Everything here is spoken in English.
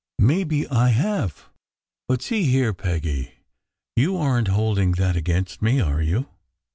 "Maybe I have. But see here, Peggy, you aren t hold ing that against me, are you?